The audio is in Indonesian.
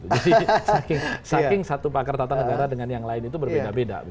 jadi saking satu pakar tata negara dengan yang lain itu berbeda beda